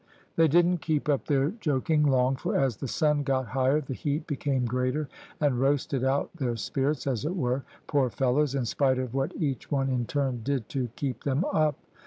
They didn't keep up their joking long, for as the sun got higher the heat became greater, and roasted out their spirits, as it were, poor fellows, in spite of what each one in turn did to keep them up.